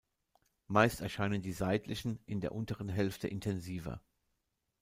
Meist erscheinen die seitlichen in der unteren Hälfte intensiver.